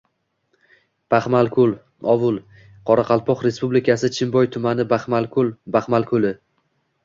Baxmalko‘l – ovul, Qoraqalpoq Respublikasi Chimboy tumani Baxmalkul – baxmal ko‘li.